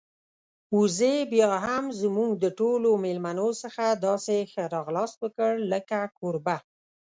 وزې بيا هم زموږ د ټولو میلمنو څخه داسې ښه راغلاست وکړ لکه کوربه.